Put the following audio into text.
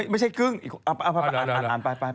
ไม่ใช่เกิ้งอีกค่ะอ่านไป